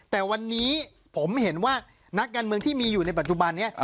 แต่วันนี้ผมเห็นว่านักการเมืองที่มีอยู่ในปัจจุบันนี้